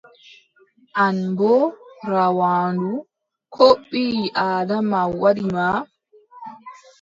An boo rawaandu, ko ɓii-Aadama waɗi ma?